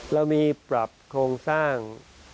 เรามีปรับโครงสร้าง